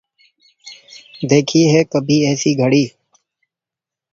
دیکھی ہے کبھی ایسی گھڑی